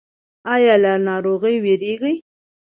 ایا له ناروغۍ ویریږئ؟